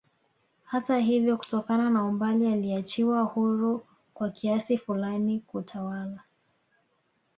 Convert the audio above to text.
Hata ivyo kutokana na umbali aliachiwa huru kwa kiasi fulani kutawala